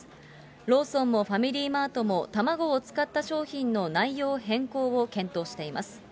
ローソンもファミリーマートも、卵を使った商品の内容変更を検討しています。